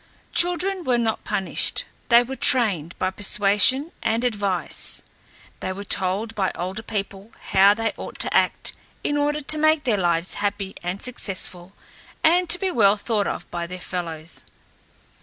Children were not punished; they were trained by persuasion and advice. They were told by older people how they ought to act in order to make their lives happy and successful and to be well thought of by their fellows.